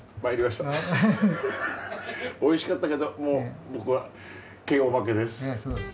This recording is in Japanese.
美味しかったけどもう僕はＫＯ負けです。